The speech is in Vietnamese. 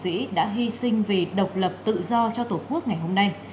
chương trình đã hy sinh vì độc lập tự do cho tổ quốc ngày hôm nay